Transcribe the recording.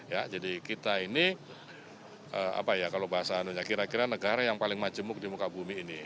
ya jadi kita ini apa ya kalau bahasa anunya kira kira negara yang paling majemuk di muka bumi ini